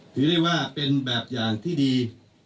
ถือได้ว่าเป็นแบบอย่างที่ดี